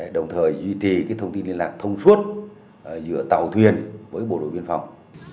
đồng thời duy trì thông tin liên lạc thông suốt giữa tàu thuyền với bộ đội biên phòng